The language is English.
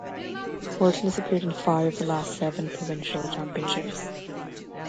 Horton has appeared in five of the last seven provincial championships.